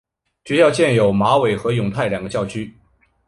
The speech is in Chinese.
学院现有马尾和永泰两个校区。